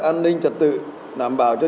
an ninh trật tự đảm bảo cho